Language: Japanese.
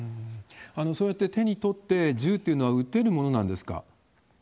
そうやって手に取って、銃っていうのは撃てるものなんですか？